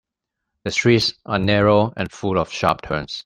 The streets are narrow and full of sharp turns.